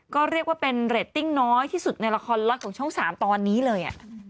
ก็เรียกว่าเป็นเรตติ้งน้อยที่สุดในละครล็อตของช่อง๓ตอนนี้เลย